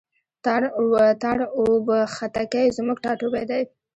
تارڼ اوبښتکۍ زموږ ټاټوبی دی.